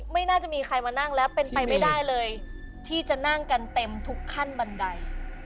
ไม่น่าจะมีใครมานั่งแล้วเป็นไปไม่ได้เลยที่จะนั่งกันเต็มทุกขั้นบันได